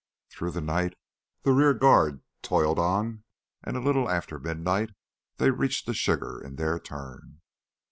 Through the night the rear guard toiled on and a little after midnight they reached the Sugar in their turn.